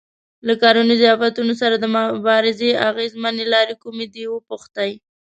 له کرنیزو آفتونو سره د مبارزې اغېزمنې لارې کومې دي وپوښتئ.